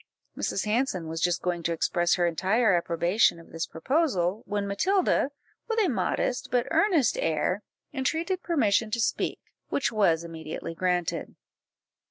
Mrs. Hanson was just going to express her entire approbation of this proposal, when Matilda, with a modest, but earnest air, entreated permission to speak, which was immediately granted.